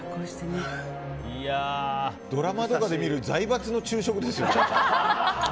ドラマとかで見る財閥の昼食ですよ。